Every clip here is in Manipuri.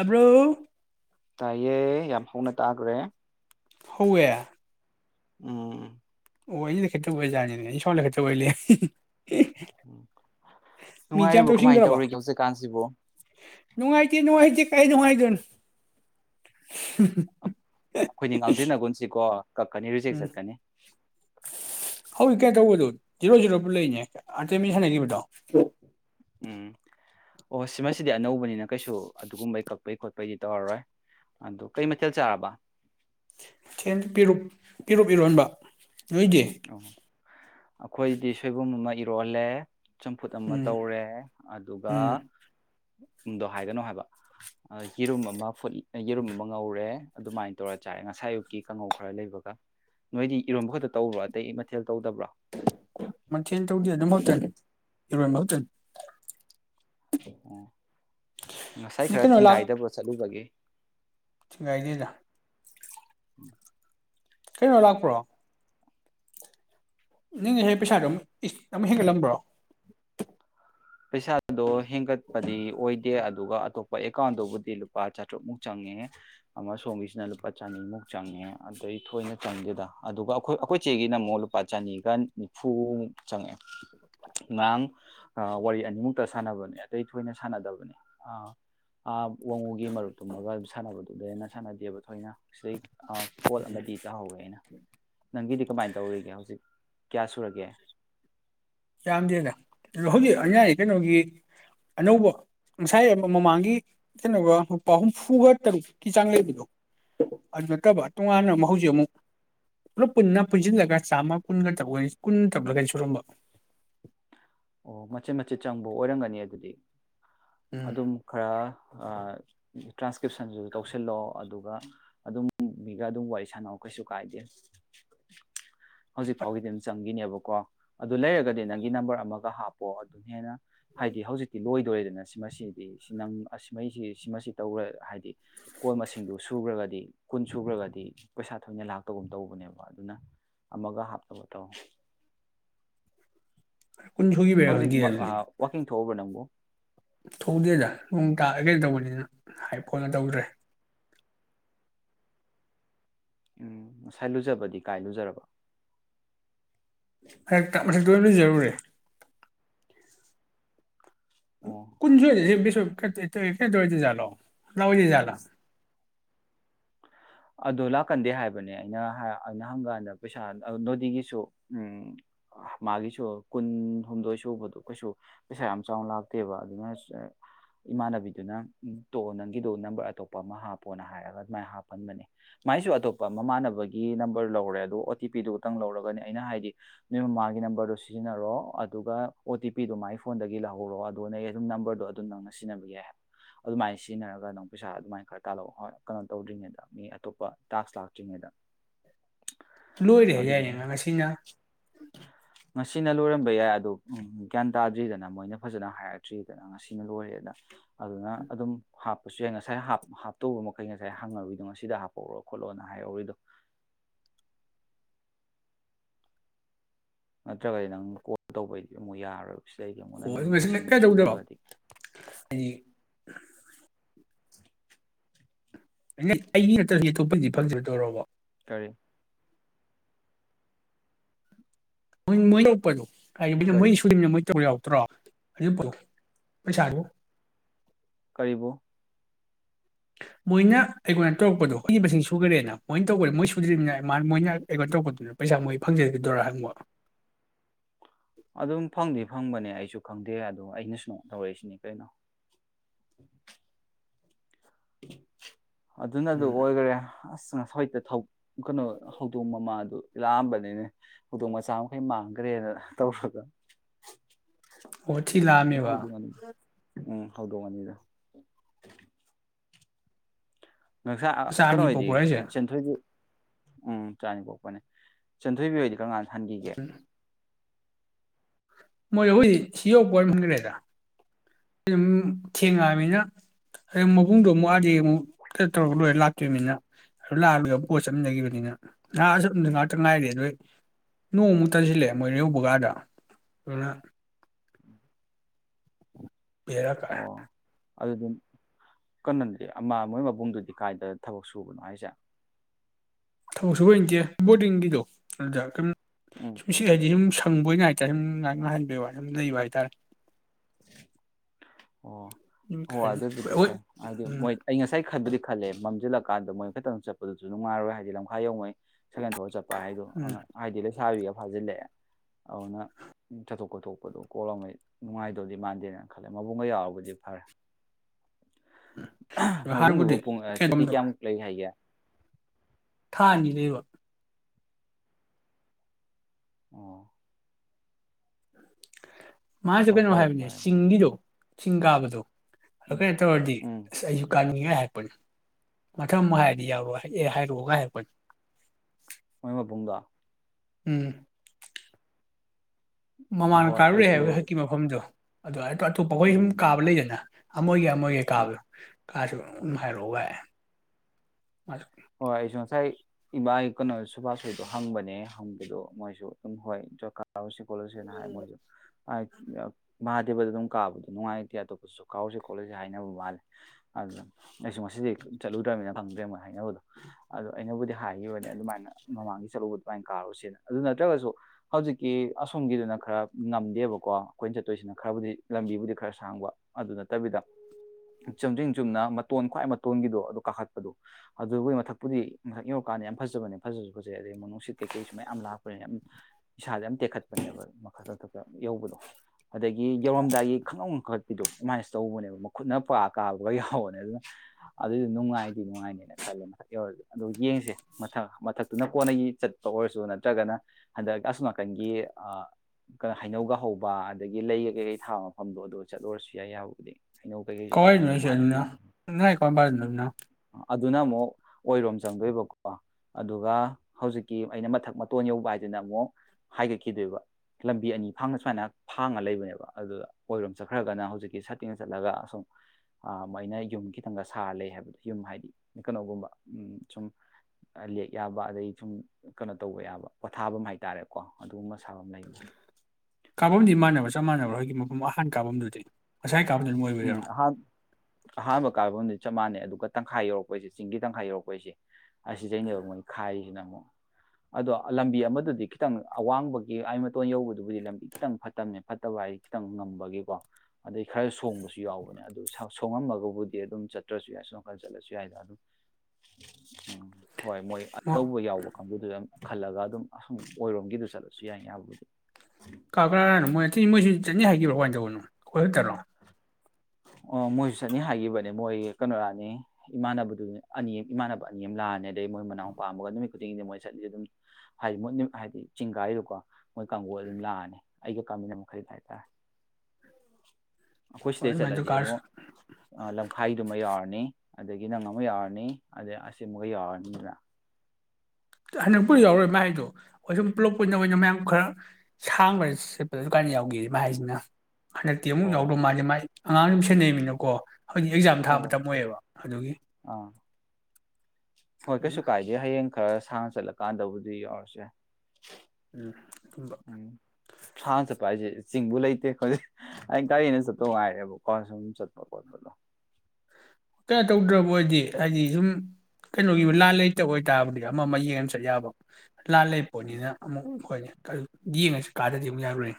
ꯑꯦꯕ꯭ꯔꯣ ꯦ ꯌꯥꯝ ꯍꯧꯅ ꯇꯥꯈ꯭ꯔꯦ ꯍꯋꯦ ꯎꯝ ꯑꯣ ꯑꯩꯅꯗ ꯈꯤꯇꯪ ꯑꯣꯏꯖꯠꯅꯦ ꯑꯩ ꯏꯁꯥꯝꯗ ꯈꯤꯛꯇ ꯑꯣꯏꯂ ꯎꯝ ꯃꯤꯁ ꯌꯥꯝ ꯅꯨꯡꯉꯥꯏꯔꯤꯕꯣ ꯀꯃꯥꯏꯅ ꯇꯧꯁꯤꯟꯈ꯭ꯔꯕ ꯇꯧꯔꯤꯒꯦ ꯍꯧꯖꯤꯛꯀꯥꯟꯁꯤꯕꯨ ꯅꯨꯡꯉꯥꯏꯇꯦ ꯅꯨꯡꯉꯥꯏꯇꯦ ꯀꯩ ꯊꯉꯥꯏ ꯇꯅ ꯑꯩꯈꯣꯏꯅꯤ ꯉꯥꯡꯁꯤꯟꯅꯒꯨꯟꯁꯤꯀꯣ ꯀꯛꯀꯅꯤ ꯔꯤꯖꯦꯛ ꯆꯠꯀꯅꯤ ꯍꯧꯏ ꯀꯩ ꯇꯧꯕꯗꯣ ꯖꯤꯔꯣ ꯖꯤꯔꯣ ꯄꯨ ꯂꯩꯅꯦ ꯑꯥꯇ ꯁꯥꯟꯅꯈꯤꯕꯗꯣ ꯎꯝ ꯑꯣ ꯁꯤꯃꯗꯤ ꯑꯅꯧꯕꯅꯤꯅ ꯀꯩꯁꯨ ꯑꯗꯨꯒꯨꯝꯕꯩ ꯀꯛꯄꯩ ꯈꯣꯠꯄꯩꯗꯤ ꯇꯧꯔꯔꯣꯏ ꯑꯗꯨ ꯀꯩ ꯃꯊꯦꯜ ꯆꯥꯔꯕ ꯦꯟ ꯄ ꯄꯤꯔꯨꯞ ꯏꯔꯣꯟꯕ ꯅꯣꯏꯗꯤ ꯑꯣ ꯑꯩꯈꯣꯏꯗꯤ ꯁꯣꯏꯕꯨꯝ ꯑꯃ ꯏꯔꯣꯍꯜꯂꯦ ꯆꯝꯐꯨꯠ ꯑꯃ ꯎꯝ ꯇꯧꯔꯦ ꯑꯗꯨꯒ ꯎꯝ ꯎꯗꯣ ꯍꯥꯏꯒꯅꯣ ꯍꯥꯏꯕ ꯌꯦꯔꯨꯝ ꯑꯃ ꯐꯨꯠ ꯌꯦꯔꯨꯝ ꯑꯃ ꯉꯧꯔꯦ ꯑꯗꯨꯃꯥꯏꯅ ꯇꯧꯔ ꯆꯥꯏꯔꯦ ꯉꯁꯥꯏ ꯑꯌꯨꯛꯀꯤ ꯀꯥꯡꯉꯧ ꯈꯔ ꯂꯩꯕꯒ ꯅꯣꯏꯗꯤ ꯏꯔꯣꯟꯕ ꯈꯛꯇ ꯇꯧꯕ꯭ꯔ ꯃꯊꯦꯜ ꯇꯧꯗꯕ꯭ꯔꯣ ꯃꯊꯦꯅ ꯇꯧꯗꯦ ꯑꯗꯨꯝ ꯍꯇꯅꯤ ꯏ ꯍꯧꯇ ꯎꯝ ꯉꯁꯥꯏ ꯅ ꯈꯔ ꯊꯤꯡꯒꯥꯏꯗꯕ꯭ꯔ ꯆꯠꯂꯨꯕꯒꯤ ꯆꯤꯡꯒꯥꯏꯗꯦꯗ ꯎꯝ ꯀꯩꯅ ꯂꯥꯛꯄ꯭ꯔꯣ ꯅꯪꯁꯦ ꯄꯩꯁꯥꯗꯨꯣ ꯑꯃꯨꯛ ꯍꯦꯟꯒꯠꯂꯝꯕ꯭ꯔꯣ ꯄꯩꯁꯥꯗꯣ ꯍꯦꯟꯒꯠꯄꯗꯤ ꯑꯣꯏ ꯦ ꯑꯗꯨꯒ ꯑꯇꯣꯞꯄ ꯑꯦꯀꯥꯎꯟꯗꯨꯕꯨꯗꯤ ꯂꯨꯄꯥ ꯆꯥꯇ꯭ꯔꯨꯛꯃꯨꯛ ꯆꯪꯉꯦ ꯑꯃ ꯁꯣꯝꯒꯤꯁꯤꯅ ꯂꯨꯄꯥ ꯆꯅꯤꯃꯨꯛ ꯆꯪꯉꯦ ꯑꯗꯩ ꯊꯣꯏꯅ ꯆꯪꯗꯦꯗ ꯑꯗꯨꯒ ꯑꯩꯈꯣꯏ ꯑꯩꯈꯣꯏ ꯆꯦꯒꯤꯅ ꯑꯃꯨꯛ ꯂꯨꯄꯥ ꯆꯅꯤꯒ ꯅꯤꯐꯨꯃꯨꯛ ꯆꯪꯉꯑꯦ ꯉꯔꯥꯡ ꯋꯥꯔꯤ ꯑꯅꯤꯃꯨꯛꯇ ꯁꯥꯟꯅꯕꯅꯦ ꯑꯇꯩ ꯊꯣꯏꯅ ꯁꯥꯟꯅꯗꯕꯅꯦ ꯋꯥꯡꯉꯨꯒꯤ ꯃꯔꯨꯞ ꯇꯨꯝꯃꯒ ꯁꯥꯟꯅꯕꯗꯨꯗꯟꯅ ꯁꯥꯟꯅꯗꯦꯕ ꯊꯣꯏꯅ ꯁꯤꯗꯩ ꯀꯣꯜ ꯑꯃꯗꯤ ꯇꯥꯍꯧꯋꯦ ꯑꯩꯅ ꯅꯪꯒꯤꯗꯤ ꯀꯃꯥꯏꯅ ꯇꯧꯔꯤꯒꯦ ꯍꯧꯖꯤꯛ ꯀꯌꯥ ꯁꯨꯔꯒꯦ ꯌꯥꯝꯗꯦꯗ ꯑꯗꯨꯣ ꯍꯧꯖꯤꯛ ꯑꯅꯤꯌꯥ ꯀꯩꯅꯣꯒꯤ ꯑꯅꯧꯕ ꯉꯁꯥꯏ ꯑꯃ ꯃꯃꯥꯡꯒꯤ ꯀꯩꯅꯣꯒ ꯂꯨꯄꯥ ꯍꯨꯝꯐꯨꯒ ꯇꯔꯨꯛꯀꯤ ꯆꯥꯡ ꯂꯩꯕꯗꯣ ꯑꯗꯨ ꯅꯠꯇꯕ ꯇꯣꯉꯥꯟꯅ ꯑꯃꯨꯛ ꯍꯧꯖꯤꯛ ꯑꯃꯨꯛ ꯄꯨꯂꯞ ꯄꯨꯟꯅ ꯄꯨꯟꯁꯤꯜꯂꯒ ꯆꯥꯝꯃ ꯀꯨꯟꯒ ꯇꯧ ꯀꯨꯟ ꯇꯧꯂꯒ ꯁꯨꯔꯝꯕ ꯑꯣ ꯃꯆꯦꯠ ꯃꯆꯦꯠ ꯆꯪꯕ ꯑꯣꯏꯔꯝꯒꯅꯤ ꯑꯗꯨꯗꯤ ꯎꯝ ꯑꯗꯨꯝ ꯈꯔ ꯑ ꯇ꯭ꯔꯥꯟꯁ ꯏꯁꯀꯔꯤꯞꯁꯟꯁꯨ ꯇꯧꯁꯤꯜꯛꯑꯣ ꯑꯗꯨꯒ ꯑꯗꯨꯒ ꯑꯗꯨꯝ ꯃꯤꯒ ꯑꯗꯨꯝ ꯋꯥꯔꯤ ꯁꯥꯟꯅꯕꯅꯕ ꯀꯩꯁꯨ ꯀꯥꯏꯗꯦ ꯍꯧꯖꯤꯛ ꯐꯥꯎꯒꯤꯗꯤ ꯑꯗꯨꯝ ꯆꯪꯈꯤꯅꯦꯕ ꯀꯣ ꯑꯗꯨ ꯂꯩꯔꯒꯗꯤ ꯅꯪꯒꯤ ꯅꯝꯕꯔ ꯑꯃ ꯒ ꯍꯥꯞꯄꯣ ꯑꯗꯨꯝ ꯍꯦꯟꯅ ꯍꯥꯏꯗꯤ ꯍꯧꯖꯤꯛꯇꯤ ꯂꯣꯏꯗꯣꯏꯔꯦꯗꯅ ꯁꯤꯃ ꯁꯤꯗꯤ ꯁꯤ ꯅꯪ ꯑꯁꯤꯃꯩꯁꯤ ꯁꯤꯃ ꯇꯧ ꯍꯥꯏꯗꯤ ꯀꯣ ꯃꯁꯤꯡꯗꯨ ꯁꯨꯈ꯭ꯔꯒꯗꯤ ꯀꯨꯟ ꯁꯨꯈ꯭ꯔꯒꯗꯤ ꯄꯩꯁꯥ ꯊꯣꯏꯅ ꯂꯥꯛꯇꯒꯨꯝ ꯇꯧꯕꯅꯦꯕ ꯑꯗꯨꯅ ꯑꯃꯒ ꯍꯥꯞꯇꯅꯕ ꯇꯧ ꯀꯟꯁꯨꯒꯤꯕ ꯍꯪꯒ ꯑꯗꯨ ꯊꯕ ꯅꯝꯕꯣ ꯊꯧꯗꯦꯗ ꯅꯣꯡ ꯇꯥꯛꯑ ꯀꯩꯅ ꯇꯧꯕꯅꯤꯅ ꯍꯥꯏꯐꯣꯅ ꯇꯧꯗ꯭ꯔꯦ ꯎꯝ ꯉꯁꯥꯏ ꯂꯨꯖꯕꯗꯤ ꯀꯥꯏ ꯂꯨꯖꯔꯕ ꯍꯛꯇꯅ ꯔꯨꯔꯤ ꯑꯣ ꯀꯨꯟꯖꯣꯏꯦ ꯗꯤꯣ ꯂꯎꯗꯤꯂ ꯑꯗꯨ ꯂꯥꯛꯀꯟꯗꯦ ꯍꯥꯏꯕꯅꯦ ꯑꯩꯅ ꯑꯩꯅ ꯍꯪꯀꯥꯟꯗ ꯄꯩꯁꯥ ꯅꯣꯗꯤꯒꯤꯁꯨ ꯎꯝ ꯃꯥꯒꯤꯁꯨ ꯀꯨꯟ ꯍꯨꯝꯗꯣꯏ ꯁꯨꯕꯗꯣ ꯀꯩꯁꯨ ꯄꯩꯁꯥ ꯌꯥꯝ ꯆꯥꯎꯅ ꯂꯥꯛꯇꯦꯕ ꯑꯗꯨꯅ ꯏꯃꯥꯟꯅꯕꯤꯗꯨꯅ ꯇꯣꯑꯣ ꯅꯪꯒꯤꯗꯣ ꯅꯝꯕꯔ ꯑꯇꯣꯞꯄ ꯑꯃ ꯍꯥꯞꯄꯣꯅ ꯍꯥꯏꯔꯒ ꯑꯗꯨꯃꯥꯏꯅ ꯍꯥꯄ ꯄꯟꯕꯅꯦ ꯃꯥꯏꯁꯨ ꯑꯇꯣꯞꯄ ꯃꯃꯥꯟꯅꯕꯒꯤ ꯅꯝꯕꯔ ꯂꯧꯔꯦ ꯑꯗꯣ ꯑꯣ ꯇꯤ ꯄꯤꯗꯨ ꯈꯇꯪ ꯂꯧꯔꯒꯅꯦ ꯑꯩꯅ ꯍꯥꯏꯗꯤ ꯅꯣꯏ ꯃꯃꯥꯒꯤ ꯅꯝꯕꯔꯗꯣ ꯁꯤꯖꯤꯟꯅꯔꯣ ꯑꯗꯨꯒ ꯑꯣ ꯇꯤ ꯄꯤꯗꯣ ꯃꯥꯏ ꯐꯣꯟꯗꯒꯤ ꯂꯧꯍꯧꯔꯣ ꯑꯗꯨꯒ ꯅ ꯑꯩ ꯑꯗꯨꯝ ꯅꯝꯕꯔꯗꯣ ꯑꯗꯨꯝ ꯅꯪꯅ ꯁꯤꯖꯤꯟꯅꯕ ꯌꯥꯏ ꯑꯗꯨꯃꯥꯏꯅ ꯁꯤꯖꯤꯟꯅꯔꯒ ꯅꯪ ꯄꯩꯁꯥ ꯑꯗꯨꯃꯥꯏꯅ ꯈꯔ ꯇꯥꯜꯂꯛꯑꯣ ꯍꯣꯏ ꯀꯩꯅꯣ ꯇꯧꯗ꯭ꯔꯤꯉꯩꯗꯣ ꯃꯤ ꯑꯇꯣꯞꯄ ꯇꯥꯛꯁ ꯂꯥꯛꯇ꯭ꯔꯤꯉꯩꯗ ꯂꯣꯏꯔꯦ ꯍꯥꯏ ꯌꯥꯏꯅꯦ ꯑꯗꯨꯗꯨꯅ ꯉ ꯉꯁꯤꯅ ꯉꯁꯤꯅ ꯂꯣꯏꯔꯝꯕ ꯌꯥꯏ ꯑꯗꯣ ꯒ꯭ꯌꯥꯟ ꯇꯥꯗ꯭ꯔꯤꯗꯅ ꯃꯣꯏꯅ ꯐꯖꯅ ꯍꯥꯏꯔꯛꯇ꯭ꯔꯤꯗꯅ ꯉꯁꯤꯅ ꯂꯣꯏꯔꯦꯗꯅ ꯑꯗꯨꯅ ꯑꯗꯨꯝ ꯍꯥꯞꯄꯁꯨ ꯌꯥꯏ ꯉꯁꯥꯏ ꯍꯥꯞꯇꯧꯕ ꯃꯈꯩ ꯉꯁꯥꯏ ꯍꯪꯉꯔꯣꯏꯏꯗꯨꯉꯥꯏ ꯁꯤꯗ ꯍꯥꯞꯄꯧꯔꯣ ꯈꯣꯠꯂꯣꯅ ꯍꯥꯏꯍꯧꯔꯤꯗꯣ ꯅꯠꯇ꯭ꯔꯒꯗꯤ ꯅꯪ ꯀꯣꯜ ꯇꯧꯕꯩꯗꯤ ꯑꯃꯨꯛ ꯌꯥꯔꯣꯏ ꯑꯣ ꯑꯗꯨ ꯉꯅ ꯀꯩꯗꯧꯗꯣꯏꯔꯣ ꯍꯥꯏꯗꯤ [inaudible] ꯑꯩꯅ ꯑꯩꯒꯤ ꯅꯛꯇꯁꯨꯇꯣꯄꯁꯤꯗꯤ ꯐꯪꯗ꯭ꯔ ꯇꯧꯔꯕ ꯀꯔꯤ ꯣꯏ ꯃ ꯄꯣ ꯍꯥꯏ ꯃꯤꯅ ꯀꯔꯤ ꯃꯣꯏ ꯁꯨꯗꯅ ꯃꯣꯏ ꯇꯧ ꯌꯥꯎꯛꯇ꯭ꯔꯣ ꯑꯗꯨ ꯄꯨꯣ ꯄꯩꯁꯥꯔꯑꯣ ꯀꯔꯤꯕ ꯃꯣꯏꯅ ꯑꯩꯈꯣꯟꯅ ꯇꯧꯔꯛꯄꯗꯣ ꯍꯨꯏꯔꯤꯕꯁꯤꯡ ꯁꯨꯈꯔꯦꯅ ꯃꯣꯏꯅ ꯇꯧꯕꯗ ꯃꯣꯏ ꯁꯨꯗ꯭ꯔꯤꯕꯅꯤꯅ ꯃꯣꯏꯅ ꯑꯩꯣ ꯇꯧꯔꯛꯄꯗꯨꯅ ꯄꯩꯁꯥ ꯃꯣꯏ ꯐꯪꯖꯈꯤꯗꯣꯏꯔꯥ ꯍꯪꯕ ꯑꯗꯨꯝ ꯐꯪꯗꯤ ꯐꯪꯕꯅꯦ ꯑꯩꯁꯨ ꯈꯪꯗꯦ ꯑꯗꯣ ꯑꯩꯅ ꯁ ꯇꯧꯔꯛꯏꯁꯤꯅꯤ ꯀꯩꯅꯣ [inaudible] ꯑꯗꯨꯅ ꯑꯗꯨ ꯎꯝ ꯑꯣꯏꯈꯔꯦ ꯑꯁꯁ ꯍꯣꯏꯗ ꯊꯊꯧ ꯀꯩꯅꯣ ꯍꯧꯗꯣꯡ ꯃꯃꯥꯗ ꯂꯥꯛꯑꯝꯕꯅꯤꯅꯦ ꯍꯧꯗꯣꯡ ꯃꯆꯥ ꯃꯈꯩ ꯃꯥꯡꯈ꯭ꯔꯦꯅ ꯇꯧꯔꯒ ꯑꯣꯆꯤ ꯂꯥꯃꯤꯕ ꯍꯧꯗꯣꯛꯑꯅꯤꯗ ꯉꯪꯁꯥ ꯃꯆꯥ ꯀꯩꯅꯣ ꯑꯅꯤ ꯑꯣꯏꯗꯤ ꯄꯣꯛꯄ꯭ꯔꯣ ꯍꯥꯏꯁꯦ ꯁꯦꯟꯊꯣꯏꯁꯤ ꯎꯝ ꯆꯥꯅꯤ ꯄꯣꯛꯄꯅꯦ ꯆꯟꯊꯣꯏꯕꯤ ꯑꯣꯏꯣꯏꯗꯤ ꯀꯔꯀꯥꯟ ꯍꯟꯕꯤꯒꯦ ꯃꯣꯏ ꯍꯧꯈꯖꯤ ꯁꯤ ꯌꯧ ꯀ ꯈꯪꯗꯉꯩꯗ ꯑꯗꯨꯝ ꯊꯦꯡꯉꯛꯑꯅꯤꯅ ꯑꯗꯨ ꯃꯒꯨꯡꯗꯣ ꯑꯃꯨꯛ ꯑꯗꯤ ꯑꯃꯨꯛꯩꯅ ꯇꯧꯔꯒ ꯂꯣꯏꯔ ꯂꯥꯛꯇꯣꯏꯅꯤꯅ ꯑꯗꯨ ꯂꯥꯛꯑꯗꯣꯏ ꯄꯣꯠꯁ ꯑꯝ ꯂꯩꯈꯤꯕꯅꯤꯅ ꯉꯍꯥꯛ ꯑꯁꯨ ꯑꯝꯗ ꯉꯥꯏꯥꯛꯇ ꯉꯥꯏꯔꯦ ꯑꯗꯨꯗꯣꯏ ꯅꯣꯡꯃꯨꯛ ꯇꯟꯁꯤꯜꯂꯦ ꯃꯣꯏ ꯌꯧꯕꯀꯥꯟꯗ ꯑꯗꯨꯅ ꯄꯦꯔ ꯀ ꯑꯗꯨꯗꯨꯝ ꯀꯩꯅꯣꯗꯨꯗꯤ ꯑꯃ ꯃꯣꯏ ꯃꯕꯨꯡꯗꯨꯗꯤ ꯀꯥꯏꯗ ꯊꯕꯛ ꯁꯨꯕꯅꯣ ꯍꯥꯏꯁꯦ ꯊꯕꯛ ꯁꯨ ꯍꯇꯦ ꯕꯣꯔꯗꯤꯡꯒꯤꯗꯣ ꯑꯗꯨꯖ ꯀꯝ ꯎꯝ [inaudible] ꯈꯪꯕꯣꯏ ꯉꯥꯏꯇꯔꯦ ꯁꯨꯝ ꯉꯥꯏ ꯅꯨꯡꯥꯏꯍꯟꯕꯤ ꯋꯥ ꯁꯨꯝ ꯂꯩꯕ ꯍꯥꯏꯇꯥꯔꯦ ꯑꯣ ꯑꯗꯨꯝ ꯀꯩ ꯍꯣꯏ ꯍꯥꯏꯅꯤ ꯑꯗꯨꯕꯨꯗꯤ ꯍꯣꯏ ꯐꯩ ꯍꯥꯏꯗꯤ ꯎꯝ ꯃꯣꯏ ꯑꯩ ꯉꯁꯥꯏ ꯈꯟꯕꯗꯤ ꯈꯜꯂꯦ ꯃꯝꯁꯤꯜꯂꯀꯥꯟꯗ ꯃꯣꯏ ꯈꯤꯪ ꯆꯠꯄꯗꯨꯁꯨ ꯅꯨꯡꯉꯥꯏꯔꯣꯏ ꯍꯥꯏꯗꯤ ꯂꯝꯈꯥꯏ ꯌꯧꯉꯩ ꯁꯒꯦꯟ ꯊꯣꯛꯑꯒ ꯆꯠꯄ ꯍꯥꯏꯗꯣ ꯎꯝ ꯍꯥꯏꯗꯤ ꯂꯩꯁꯥꯕꯤ ꯐꯥꯖꯤꯜꯂꯛꯑꯦ ꯑꯗꯨꯅ ꯆꯠꯊꯣꯛ ꯈꯣꯊꯣꯛꯄꯗꯣ ꯀꯣꯜꯂꯝꯉꯩ ꯅꯨꯡꯉꯥꯏꯗꯧꯗꯤ ꯃꯥꯟꯗꯦꯅ ꯈꯜꯂꯦ ꯊꯣꯡꯕ ꯌꯥꯎꯕꯗꯤ ꯐꯔꯦ ꯑꯗꯣ ꯃꯕꯨꯡꯗꯨꯕꯨ ꯍꯥꯟꯅꯕꯨꯗꯤ ꯄꯨꯡ ꯁꯨꯇꯤ ꯀꯩꯅꯣꯝꯗꯣ ꯀꯌꯥꯃꯨꯛ ꯂꯩ ꯍꯥꯏꯒꯦ ꯊꯥꯅꯤ ꯂꯩꯕ ꯑꯣ ꯃꯥꯁꯨꯦ ꯍꯣꯏ ꯀꯩꯅꯣ ꯐꯔꯦ ꯍꯥꯏꯕꯅꯦ ꯐꯔꯦ ꯑꯗꯨ ꯤꯡꯒꯤꯗꯣ ꯁꯤꯡ ꯀꯥꯕꯗꯣ ꯎꯝ ꯀꯩꯅꯣ ꯇꯧꯔꯗꯤ ꯎꯝ ꯑꯁ ꯑꯩꯁꯨ ꯀꯥꯅꯤꯡꯉꯤ ꯒ ꯍꯦꯛꯄꯅꯤ ꯃꯊꯪ ꯍꯥꯏꯔꯗꯤ ꯌꯥꯎꯔꯣ ꯑꯦ ꯍꯥꯏꯔꯛꯑꯣꯒ ꯍꯦꯛꯄꯅꯤ ꯃꯣꯏ ꯃꯕꯨꯡꯗꯣ ꯎꯝ ꯃꯃꯥꯟ ꯍꯣꯏ ꯀꯥꯔꯨꯔꯦ ꯑꯩꯁꯨ ꯍꯥꯏꯕ ꯍꯧꯖꯤꯛꯀꯤ ꯃꯐꯝꯗꯣ ꯑꯗꯨ ꯑꯇꯣꯞꯄꯈꯣꯏ ꯁꯨꯝ ꯎꯝ ꯀꯥꯕ ꯂꯩꯗꯅ ꯑꯃꯣꯏ ꯌꯦ ꯀꯥꯕ ꯎꯝ ꯑꯁ ꯎꯔꯦ ꯍꯣꯏ ꯑꯩꯁꯨ ꯉꯁꯥꯏ ꯏꯃꯥꯒꯤ ꯀꯩꯅꯣ ꯁꯨꯕꯥꯣꯏꯗꯣ ꯍꯪꯕꯅꯦ ꯍꯪꯕꯗꯣ ꯃꯣꯏꯁꯨ ꯑꯗꯨꯝ ꯍꯣꯏ ꯀꯥꯎꯁꯤ ꯀꯣꯂꯣꯁꯤꯅꯍ ꯃꯣꯏꯁꯨ ꯃꯍꯥꯗꯦꯕꯗ ꯑꯗꯨꯝ ꯀꯥꯕꯗꯣ ꯅꯨꯡꯉꯥꯏꯇꯦ ꯑꯇꯣꯞꯄꯁꯨ ꯀꯥꯎꯔꯁꯤ ꯈꯣꯠꯂꯨꯁ ꯍꯥꯏꯅꯕ ꯃꯥꯜꯂꯦ ꯑꯗꯨꯅ ꯑꯩꯁꯨ ꯉꯁꯤꯗꯤ ꯆꯠꯂꯨꯗ꯭ꯔꯕꯅꯤꯅ ꯈꯪꯗ꯭ꯔꯦ ꯃꯣꯏ ꯍꯥꯏꯅꯕꯗꯣ ꯑꯗꯨꯗꯣ ꯑꯩꯅꯕꯨꯗꯤ ꯍꯥꯏꯈꯤꯕꯅꯦ ꯑꯗꯨꯃꯥꯏꯅ ꯃꯃꯥꯡꯒꯤ ꯆꯠꯂꯨꯕ ꯑꯗꯨꯃꯥꯏꯅ ꯀꯥꯔꯨꯁꯤꯅ ꯑꯗꯨ ꯅꯠꯇ꯭ꯔꯒꯁꯨ ꯍꯧꯖꯤꯛꯀꯤ ꯑꯁꯣꯝꯒꯤꯗꯨꯅ ꯈꯔ ꯉꯝꯗꯦꯕꯀꯣ ꯑꯩꯈꯣꯏꯅ ꯆꯠꯇꯣꯏꯁꯤꯅ ꯈꯔꯕꯨꯗꯤ ꯂꯝꯕꯤꯕꯨꯗꯤ ꯈꯔ ꯁꯥꯡꯕ ꯑꯗꯨ ꯅꯠꯇꯕꯤꯗ ꯆꯝꯖꯤꯡ ꯆꯨꯝꯅ ꯃꯇꯣꯟ ꯈ꯭ꯋꯥꯏ ꯃꯇꯣꯟꯒꯤꯗꯣ ꯑꯗꯨ ꯀꯥꯈꯠꯄꯗꯣ ꯑꯗꯨꯕꯨ ꯃꯊꯛꯄꯨꯗꯤ ꯃꯊꯛ ꯌꯧꯔꯀꯥꯟꯗ ꯌꯥꯝ ꯐꯖꯕꯅꯦ ꯐꯖꯁꯨ ꯐꯖꯩ ꯑꯗꯩ ꯅꯨꯡꯁꯤꯠ ꯀꯩꯀꯩꯁꯨ ꯃꯌꯥꯝ ꯂꯥꯛꯄꯅꯤꯅ ꯌꯥꯝ ꯏꯁꯥꯥꯁꯗ ꯌꯥꯝ ꯇꯦꯛꯈꯠꯄꯅꯦꯕ ꯃꯈꯛꯊꯛ ꯌꯧꯕꯗꯣ ꯑꯗꯒꯤ ꯌꯧꯔꯝꯗꯥꯏꯒꯤ ꯈꯪꯧꯈꯈꯠꯄꯤꯗꯣ ꯑꯗꯨꯃꯥꯏꯅꯁꯨ ꯇꯧꯕꯅꯦꯕ ꯃꯈꯨꯠꯅ ꯄꯥ ꯀꯥꯕꯒ ꯌꯥꯎꯕꯅꯦ ꯑꯗꯨꯅ ꯑꯗꯨꯏꯗꯤ ꯅꯨꯡꯉꯥꯏꯗꯤ ꯅꯨꯡꯉꯥꯏꯅꯦꯅ ꯈꯜꯂꯦꯅ ꯌꯧꯔꯗꯤ ꯑꯗꯨ ꯌꯦꯡꯁꯦ ꯃꯊꯛ ꯃꯊꯛꯇꯨꯅ ꯀꯣꯟꯅꯒꯤ ꯆꯠꯄ ꯑꯣꯏꯔꯁꯨ ꯅꯠꯇ꯭ꯔꯒꯅ ꯍꯟꯗꯛ ꯑꯁꯣ ꯅꯥꯀꯟꯒꯤ ꯀꯩꯅꯣ ꯍꯩꯅꯧꯒ ꯍꯧꯕ ꯑꯗꯒꯤ ꯂꯩꯒ ꯀꯩꯀꯩ ꯊꯥꯕ ꯃꯐꯝꯗꯣ ꯑꯗꯨ ꯆꯠꯂꯨꯔꯁꯨ ꯌꯥꯏ ꯌꯥꯕꯕꯨꯗꯤ ꯀꯅꯣꯏ ꯁꯅ ꯅꯥꯏ ꯀꯅ ꯑꯗꯨꯅ ꯑꯃꯨꯛ ꯑꯣꯏꯔꯣꯝ ꯆꯪꯗꯣꯏꯕꯀꯣ ꯑꯗꯨꯒ ꯍꯧꯖꯤꯛꯀꯤ ꯑꯩꯅ ꯃꯊꯛ ꯃꯇꯣꯟ ꯌꯧꯕ ꯍꯥꯏꯗꯅ ꯑꯃꯨꯛ ꯍꯥꯏꯒꯠꯈꯤꯗꯣꯏꯕ ꯂꯝꯕꯤ ꯑꯅꯤ ꯐꯥꯡꯅ ꯁꯨꯃꯥꯏꯅ ꯐꯥꯡꯉ ꯂꯩꯕꯅꯦꯕ ꯑꯗꯨꯗ ꯑꯣꯏꯔꯣꯝ ꯆꯠꯈ꯭ꯔꯒꯅ ꯍꯧꯖꯤꯛꯀꯤ ꯁꯠꯇꯤꯡꯅ ꯆꯠꯂꯒ ꯑꯁꯨꯝꯨ ꯑꯩꯅ ꯌꯨꯝ ꯈꯤꯇꯪꯒ ꯁꯥꯔ ꯂꯩ ꯍꯥꯏꯕꯗꯣ ꯌꯨꯝ ꯍꯥꯏꯗꯤ ꯀꯩꯅꯣꯒꯨꯝꯕ ꯎ ꯁꯨꯝ ꯂꯦꯛ ꯌꯥꯕ ꯑꯗꯩ ꯁꯨꯝ ꯀꯩꯅꯣ ꯇꯧꯕ ꯌꯥꯕ ꯄꯣꯊꯥꯐꯝ ꯍꯥꯏꯇꯥꯔꯦꯀꯣ ꯑꯗꯨꯒꯨꯝꯕ ꯁꯥꯐꯝ ꯂꯩꯕ ꯀꯥꯐꯝꯗꯤ ꯃꯥꯟꯅꯕ꯭ꯔꯥ ꯆꯞ ꯃꯥꯟꯅꯕ꯭ꯔꯥ ꯑꯩꯣꯏꯒꯤ ꯃꯐꯝ ꯑꯍꯥꯟ ꯀꯥꯐꯝꯗꯨꯗꯤ ꯉꯁꯥꯏ ꯀꯥꯐꯝꯗꯨꯅ ꯃꯣꯏ ꯎꯝ ꯑꯣꯏꯕꯩꯔꯣ ꯍ ꯍꯥꯥ ꯀꯥꯕꯣꯟ ꯆꯞ ꯃꯥꯟꯅꯩ ꯑꯗꯨꯒ ꯇꯪꯈꯥꯏ ꯌꯧꯔꯛꯄꯩꯁꯦ ꯆꯤꯡꯒꯤ ꯇꯪꯈꯥꯏ ꯌꯧꯔꯛꯄꯩꯁꯦ ꯑꯁꯤꯗꯩꯅꯦꯕ ꯃꯣꯏ ꯈꯥꯏꯔꯤꯁꯤꯅ ꯑꯃꯨꯛ ꯑꯗꯣ ꯂꯝꯕꯤ ꯑꯃꯗꯨꯗꯤ ꯈꯤꯇꯪ ꯑꯋꯥꯡꯕꯒꯤ ꯑꯥꯏ ꯃꯇꯣꯟ ꯌꯧꯕꯗꯨꯕꯨꯗꯤ ꯂꯝꯕꯤ ꯈꯤꯇꯪ ꯐꯠꯇꯕꯅꯦ ꯐꯠꯇꯕ ꯍꯥꯏꯗꯤ ꯈꯤꯇꯪ ꯉꯝꯕꯒꯤꯀꯣ ꯑꯗꯩ ꯈꯔ ꯁꯣꯡꯕꯁꯨ ꯌꯥꯎꯕꯅꯦ ꯑꯗꯨ ꯁꯣꯉꯝꯃꯒꯕꯨꯗꯤ ꯑꯗꯨꯝ ꯆꯠꯇ꯭ꯔꯁꯨ ꯌꯥꯏ ꯁꯣꯝꯀꯜ ꯆꯠꯂꯁꯨ ꯌꯥꯏꯗ ꯑꯗꯨꯝ ꯎꯝ ꯍꯣꯏ ꯃꯣꯏ ꯑꯅꯧꯕ ꯌꯥꯎꯕ ꯀꯥꯡꯕꯨꯗꯨꯗ ꯈꯜꯂꯒ ꯑꯗꯨꯝ ꯑꯁꯨꯝ ꯑꯣꯏꯔꯣꯝꯒꯤꯗꯨ ꯆꯠꯂꯁꯨ ꯌꯥꯏꯅꯤ ꯍꯥꯏꯕꯨꯗꯤ ꯀꯞꯔꯥꯅ ꯃꯣꯏ ꯃꯣꯏꯁꯤ ꯆꯠꯅꯤ ꯍꯥꯏꯕꯤꯔꯣ ꯀꯃꯥꯏꯅ ꯇꯧꯕꯅꯣ ꯑꯩꯈꯣꯏ ꯍꯛꯇꯔꯣ ꯑꯣ ꯃꯣꯏꯁꯨ ꯆꯠꯅꯤ ꯍꯥꯏꯈꯤꯕꯅꯦ ꯃꯣꯏ ꯀꯩꯅꯣꯔꯥꯛꯑꯅꯤ ꯏꯃꯥꯟꯅꯕꯗꯨ ꯑꯅꯤ ꯏꯃꯥꯟꯅꯕ ꯑꯅꯤ ꯑꯃ ꯂꯥꯛꯑꯅꯤ ꯑꯗꯩ ꯃꯣꯏ ꯃꯅꯥꯎꯨꯄꯥ ꯑꯃꯒ ꯅꯨꯃꯤꯠ ꯈꯨꯗꯤꯡꯒꯤꯗꯤ ꯃꯣꯏ ꯆꯠꯂꯤꯁꯦ ꯑꯗꯨꯝ ꯍꯥꯏꯗꯤꯃꯤꯠ ꯍꯥꯏꯗꯤ ꯆꯤꯡꯒꯥꯔꯤꯗꯨꯀꯣ ꯃꯣꯏ ꯀꯥꯡꯒꯣꯜ ꯑꯗꯨꯝ ꯂꯥꯛꯑꯅꯤ ꯑꯩꯒ ꯀꯥꯃꯤꯟꯅ ꯃꯈꯩ ꯍꯥꯏꯇꯥꯔꯦ ꯑꯩꯈꯣꯏ ꯍꯣꯏ ꯁꯤꯗꯩ ꯑꯗꯨꯃꯥꯏꯅ ꯇꯧ ꯆꯠꯂꯗꯤ ꯀꯥꯔꯁꯨ ꯑꯃꯨꯛ ꯂꯝꯈꯥꯏꯗꯨꯃ ꯌꯥꯎꯔꯅꯤ ꯑꯗꯒꯤ ꯅꯪ ꯑꯃꯨ ꯌꯥꯎꯔꯅꯤ ꯑꯗ ꯑꯁꯤ ꯑꯃꯒ ꯌꯥꯎꯔꯅꯤꯗꯅ ꯍꯟꯗꯛꯄꯨꯗꯤ ꯍꯣꯏ ꯌꯥꯎꯔꯣꯏ ꯃꯥꯩꯗꯣ ꯑꯩꯣꯏ ꯁꯨꯝ ꯄꯨꯂꯞ ꯑꯣꯏꯅ ꯑꯣꯏꯅ ꯃꯌꯥꯝ ꯈꯔ ꯁꯥꯡꯕꯗ ꯁꯦꯠꯄꯗꯁꯨ ꯀꯥꯏꯅ ꯌꯥꯎꯈꯤ ꯃꯍꯩꯁꯤꯅ ꯍꯟꯗꯛꯇꯤ ꯑꯃꯨꯛ ꯑꯣ ꯌꯥꯎꯗꯧ ꯃꯥꯜꯁꯦ ꯃꯥꯥꯏ ꯑꯉꯥꯡ ꯅꯨ ꯁꯦꯟꯅꯩꯃꯤꯅꯀꯣ ꯍꯧꯛ ꯑꯦꯛꯖꯥꯝ ꯊꯥ ꯑꯣ ꯃꯇꯝ ꯑꯣꯏꯌꯦꯕ ꯑꯗꯨꯒꯤ ꯑꯥ ꯍꯣꯏ ꯎꯝ ꯀꯩꯁꯨ ꯀꯥꯏꯗꯦ ꯍꯌꯦꯡ ꯈꯔ ꯁꯥꯡꯅ ꯆꯠꯂꯀꯥꯟꯗꯕꯨꯗꯤ ꯌꯥꯎꯔꯁꯦ ꯎꯝ ꯑꯗꯨꯝꯕ ꯎꯝ ꯊꯥꯟꯁ ꯄꯥꯏꯖꯦ ꯆꯤꯡꯕꯨ ꯂꯩꯇꯦ ꯍꯧꯖꯤ ꯑ ꯀꯒꯥꯔꯤꯅ ꯆꯠꯇꯧ ꯉꯥꯏꯔꯦꯕꯀꯣ ꯁꯨꯝ ꯆꯠꯄ ꯈꯣꯠꯄꯗꯣ ꯀꯩꯅ ꯇꯧꯗ꯭ꯔꯕ ꯑꯣꯏꯔꯗꯤ ꯍꯥꯏꯗꯤ ꯁꯨꯝ ꯀꯩꯅꯣꯒꯤꯕꯨ ꯂꯥꯥꯟ ꯂꯩꯇꯕ ꯑꯣꯏꯇꯥꯔꯕꯗꯤ ꯑꯃ ꯑꯃ ꯌꯦꯡꯉ ꯆꯠ ꯌꯥꯕ ꯂꯥ ꯂꯩ ꯎꯝ ꯄꯣꯅꯤꯅ ꯑꯃꯨꯛ ꯑꯩꯈꯣꯏꯅꯦ ꯌꯦꯡꯉꯁꯨ ꯀꯥꯗꯗꯤ ꯑꯃꯨꯛ ꯌꯥꯔꯣꯏ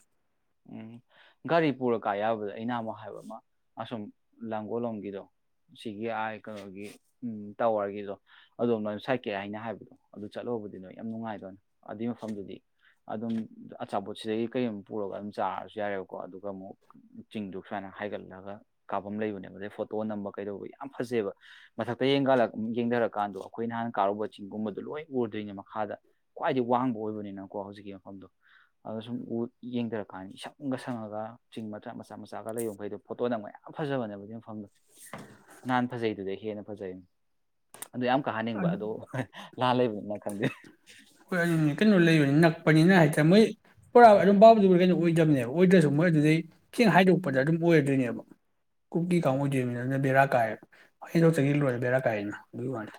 ꯎꯝ ꯒꯥꯔꯤ ꯄꯨꯔꯀꯥ ꯌꯥꯕꯗ ꯑꯩꯅ ꯑꯃꯨꯛ ꯍꯥꯏꯕ ꯑꯃ ꯑꯁꯨꯝ ꯂꯥꯡꯒꯣꯜꯂꯣꯝꯒꯤꯗꯣ ꯁꯤꯒꯤ ꯀꯩꯅꯣꯒꯤ ꯎꯝ ꯇꯥꯋꯔꯒꯤꯗꯣ ꯑꯗꯣꯝ ꯂ ꯁꯥꯏꯀꯦ ꯍꯥꯏꯅ ꯍꯥꯏꯕꯗꯣ ꯑꯗꯨ ꯆꯠꯂꯨꯕꯗꯤꯅ ꯌꯥꯝ ꯅꯨꯡꯉꯥꯏꯗꯣꯏꯅꯦ ꯑꯗꯨꯏ ꯃꯐꯝꯗꯨꯗꯤ ꯑꯗꯨꯝ ꯑꯆꯥꯄꯣꯠꯁꯤꯗꯒꯤ ꯀꯔꯤꯝ ꯄꯨꯔꯒ ꯑꯗꯨꯝ ꯆꯥꯔꯁꯨ ꯌꯥꯔꯦꯕꯀꯣ ꯑꯗꯨꯒ ꯑꯃꯨꯛ ꯆꯤꯡꯗꯣ ꯁꯨꯃꯥꯏꯅ ꯍꯥꯏꯒꯠꯂꯒ ꯀꯥꯞꯐꯝ ꯂꯩꯕꯅꯦꯕ ꯑꯗꯩ ꯐꯣꯇꯣ ꯅꯝꯕ ꯀꯩꯗꯧꯕ ꯌꯥꯝ ꯐꯖꯩꯕ ꯃꯊꯛꯇ ꯌꯦꯡꯊꯔꯀꯥꯟꯗꯣ ꯑꯩꯈꯣꯏ ꯅꯍꯥꯟ ꯀꯥꯔꯨꯕ ꯆꯤꯡꯒꯨꯝꯕꯗꯣ ꯂꯣꯏ ꯎꯔꯗꯣꯏꯅꯦ ꯃꯈꯥꯗ ꯈ꯭ꯋꯥꯏꯗꯒꯤ ꯋꯥꯡꯕ ꯑꯣꯏꯕꯅꯤꯅꯀꯣ ꯍꯧꯖꯤꯛꯀꯤ ꯃꯐꯝꯗꯣ ꯑꯗꯨꯗꯣ ꯁꯨꯝꯡꯊꯔꯛꯄ ꯀꯥꯏꯅ ꯏꯁꯪꯒ ꯁꯪꯉꯒ ꯆꯤꯡ ꯃꯆꯥ ꯃꯆꯥ ꯃꯆꯥꯒ ꯂꯩꯕ ꯃꯈꯩꯗꯣ ꯐꯣꯇꯣꯅ ꯃꯌꯥꯝ ꯐꯖꯕꯅꯦꯕ ꯁꯤ ꯃꯐꯝꯗꯣ ꯅꯍꯥꯟ ꯐꯖꯩꯗꯨꯗꯩ ꯍꯦꯟꯅ ꯐꯖꯩ ꯑꯗꯨ ꯌꯥꯝ ꯀꯥꯍꯟꯅꯤꯡꯕ ꯑꯗꯣ ꯂ ꯂꯩꯕꯟꯅ ꯀꯪ ꯍꯣꯏ ꯑꯗꯨꯅꯦ ꯀꯩꯅꯣ ꯂꯩꯕꯅꯤ ꯅꯛꯄꯅꯤꯅ ꯍꯥꯏꯇꯥꯔꯦ ꯃꯣꯏ ꯄꯨ ꯔꯝꯕ ꯑꯣꯏꯗꯕꯅꯦꯕ ꯑꯣꯏꯗ꯭ꯔꯁꯨ ꯃꯣꯏ ꯑꯗꯨꯗꯩ ꯈꯤꯦꯡ ꯍꯥꯏꯗꯣꯛꯄꯗ ꯑꯗꯨꯝ ꯑꯣꯏꯔꯗꯣꯏꯅꯦꯕ ꯀꯨꯞꯀꯤ ꯀꯥꯡꯥ ꯑꯣꯏꯗꯣꯏꯅꯤ ꯑꯗꯨꯅ ꯕꯦꯔꯥ ꯀꯥꯏꯔ ꯍꯦꯟꯗꯣꯛꯇꯒꯤ ꯂꯣꯏꯔꯦ ꯕꯦꯔꯥ ꯀꯥꯏꯅ ꯑꯗꯨꯒꯤ ꯋꯥꯗ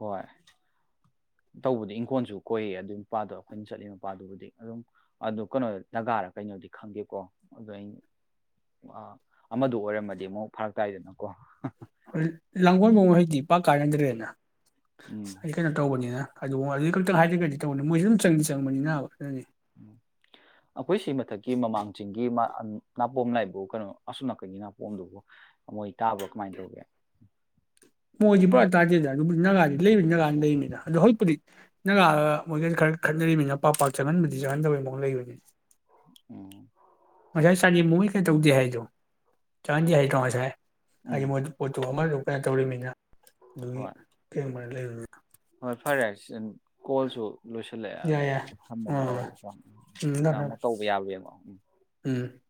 ꯍꯣꯏ ꯇꯧꯕꯗꯤ ꯏꯪꯈꯣꯜꯁꯨ ꯀꯣꯏꯌꯦ ꯑꯗꯨꯒꯤ ꯃꯄꯥꯗꯣ ꯑꯩꯈꯣꯏꯅ ꯆꯠꯂꯤ ꯃꯄꯥꯗꯨꯕꯨꯗꯤ ꯑꯗꯨꯝ ꯑꯗꯨ ꯀꯩꯅꯣ ꯅꯥꯒꯥꯔ ꯀꯩꯅꯣꯗꯤ ꯈꯪꯒꯦꯀꯣ ꯑꯗꯣ ꯑꯩꯅ ꯑꯃꯗ ꯑꯣꯏꯔꯝꯃꯗꯤ ꯑꯃꯨꯛ ꯐꯔꯛ ꯇꯥꯏꯗꯅꯀꯣ ꯂꯥꯡꯒꯣꯏ ꯃ ꯍꯩꯛꯇꯤ ꯄꯥꯛ ꯀꯥꯏꯅꯗ꯭ꯔꯦꯅ ꯎꯝ ꯑꯩ ꯀꯩꯅꯣ ꯇꯧꯕꯅꯤꯅ ꯑꯗꯨ ꯑꯗꯨꯒꯤ ꯈꯛꯇꯪ ꯍꯥꯏꯔꯒꯗꯤ ꯇꯧꯕꯅꯤ ꯃꯣꯏꯁꯨ ꯑꯗꯨꯝ ꯆꯪꯗꯤ ꯆꯪꯕꯅꯤꯅꯕ ꯑꯗꯨꯅꯤ ꯑꯩꯈꯣꯏ ꯁꯤ ꯃꯊꯛꯀꯤ ꯃꯃꯥꯡꯁꯤꯡꯒꯤꯤꯡ ꯅꯥꯄꯣꯝ ꯂꯥꯏꯕꯨ ꯀꯩꯅꯣ ꯑꯁꯣꯝ ꯅꯥꯀꯟꯒꯤ ꯅꯥꯄꯣꯝꯗꯨꯕꯨ ꯃꯣꯏ ꯇꯥꯕ꯭ꯔꯥ ꯀꯃꯥꯏꯅ ꯇꯧꯒꯦ ꯃꯣꯏꯗꯤ ꯄꯨꯔꯥ ꯇꯥꯗꯦꯗ ꯑꯗꯨꯕꯨ ꯒꯥꯗꯤ ꯂꯩꯕꯅꯤ ꯅꯥꯒꯥꯅꯤ ꯂꯩꯔꯤꯅꯤꯅ ꯑꯗꯣ ꯍꯧꯖꯤꯛꯄꯨꯗꯤ ꯅꯥꯒꯥꯒ ꯃꯣꯏꯒ ꯈꯔ ꯈꯠꯅꯔꯤꯅꯤꯅ ꯄꯥꯛ ꯄꯥꯛ ꯆꯪꯍꯟꯕꯗꯤ ꯆꯪꯍꯟꯗꯕꯩ ꯃꯍ ꯂꯩꯕꯅꯤꯅ ꯑꯣꯝ ꯉꯁꯥꯏ ꯆ ꯃꯨ ꯀꯩ ꯇꯧꯗꯦ ꯍꯥꯏꯗꯣ ꯆꯪꯗꯦ ꯍꯥꯏꯗꯣ ꯉꯁꯥꯏ ꯍꯥꯏꯦ ꯎꯝ ꯃꯣꯏ ꯄꯣꯠꯇꯆ ꯀꯩꯅ ꯇꯧꯔꯤꯕꯃꯤꯅ ꯅꯨ ꯍꯣꯏ ꯀ ꯃꯔꯔ ꯂꯩ ꯍꯣꯏ ꯐꯔꯦ ꯀꯣꯜꯁꯨ ꯂꯣꯏꯁꯤꯜꯂꯛꯑꯦ ꯌꯥꯏ ꯌꯥꯏ ꯑꯣ ꯊꯝꯃꯅꯕ ꯇꯧꯔꯒꯦꯀ ꯎꯝ ꯊꯝꯃꯦ ꯅꯪ ꯊꯝꯃꯦ ꯑꯃꯨꯛ ꯇꯧꯕ ꯌꯥꯕꯡꯕꯣ ꯎꯝ